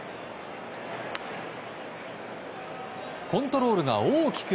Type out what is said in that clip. コントロールが大きく